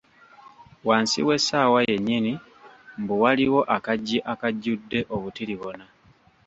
wansi w’essaawa yennyini mbu waliwo akaggi akajjudde obutiribona.